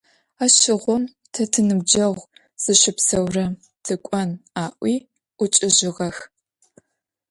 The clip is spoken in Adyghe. Aşığum te tinıbceğu zışıpseurem tık'on, - a'ui 'uç'ıjığex.